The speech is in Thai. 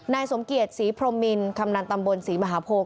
นายสมเขตศรีพรมมิณร์คำดานตำบลศรีมหาโพร